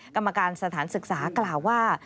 กรรมการสถานศึกษากล่าวว่า